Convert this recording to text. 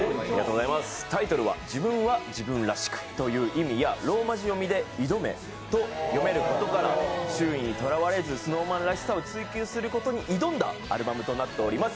タイトルは、自分は自分らしくという意味やローマ字読みでイドメと読めることから周囲にとらわれず、ＳｎｏｗＭａｎらしさを追求することに挑んだアルバムとなっています。